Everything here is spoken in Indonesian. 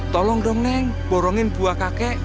tolong dong neng borongin buah kakek